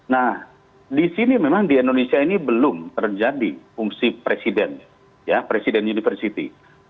nah di sini memang di indonesia ini belum terjadi fungsi presiden ya presiden university